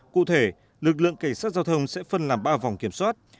cụ thể lực lượng cảnh sát giao thông sẽ phân làm ba vòng kiểm soát